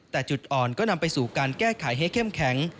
แต่จุดอ่อนก็นำไปสู่การแก้ไขให้เข้มแข็ง